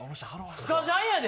スカジャンやで。